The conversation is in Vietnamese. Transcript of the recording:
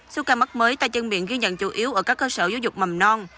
số ca mắc mới tay chân miệng ghi nhận chủ yếu ở các cơ sở giáo dục mầm non